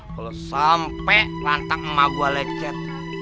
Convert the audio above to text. kalo sampe lantang emak gua lecet